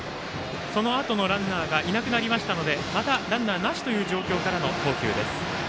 そのあとのランナーがいなくなりましたのでまたランナーなしという状況からの投球。